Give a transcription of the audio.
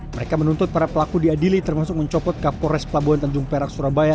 mereka menuntut para pelaku diadili termasuk mencopot kapolres pelabuhan tanjung perak surabaya